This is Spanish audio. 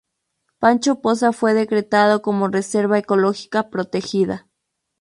Pancho Poza fue decretado como reserva ecológica protegida.